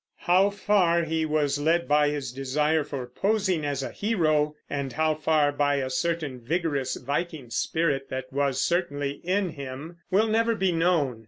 How far he was led by his desire for posing as a hero, and how far by a certain vigorous Viking spirit that was certainly in him, will never be known.